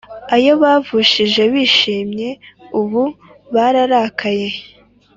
Ayo bavushije bishimye ubu bararakaye